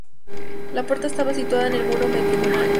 La puerta estaba situada en el muro meridional.